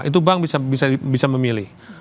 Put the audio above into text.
itu bank bisa memilih